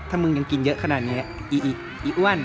ถ้ามึงยังกินเยอะขนาดนี้อีอิอีอ้วน